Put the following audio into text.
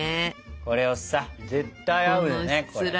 これをさ絶対合うよねこれ。